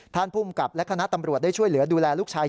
ภูมิกับและคณะตำรวจได้ช่วยเหลือดูแลลูกชาย